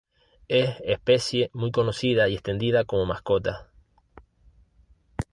Es especie muy conocida y extendida como mascota.